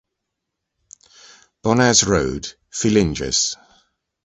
Bonnaz Road, Fillinges.